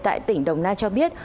tại tỉnh đồng nai cho biết